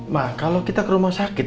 ma kalo kita ke rumah sakit